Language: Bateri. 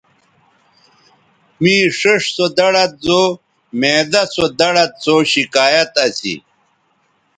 مے ݜیئݜ سو دڑد زو معدہ سو دڑد سو شکایت اسی